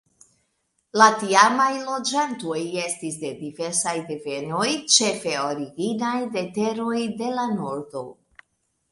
La tiamaj loĝantoj estis de diversaj devenoj, ĉefe originaj de teroj de la nordo.